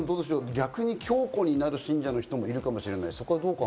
逆に強固になる信者の人もいるかもしれない。